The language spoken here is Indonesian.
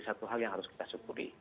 satu hal yang harus kita syukuri